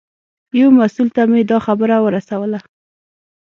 یو مسوول ته مې دا خبره ورسوله.